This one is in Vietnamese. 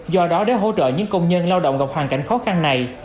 do đó để hỗ trợ những công nhân lao động gặp hoàn cảnh khó khăn này